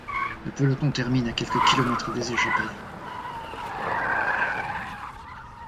Le peloton termine à quelques kilomètres des échappés.